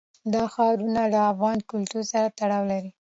دا ښارونه له افغان کلتور سره تړاو لري.